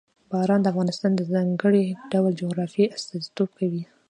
باران د افغانستان د ځانګړي ډول جغرافیه استازیتوب کوي.